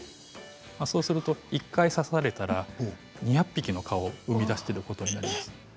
そうしたら、１回刺されたら２００匹の蚊を生みだしていることになります。